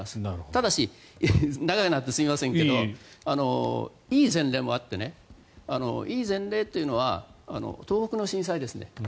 ただし長くなってすみませんがいい前例もあっていい前例というのは東北の震災ですね。